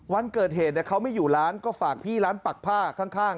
วันเกิดเหตุเขาไม่อยู่ร้านก็ฝากพี่ร้านปักผ้าข้าง